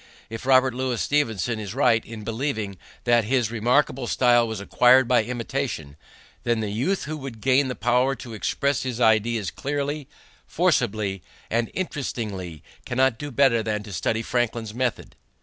If Robert Louis Stevenson is right in believing that his remarkable style was acquired by imitation then the youth who would gain the power to express his ideas clearly, forcibly, and interestingly cannot do better than to study Franklin's method.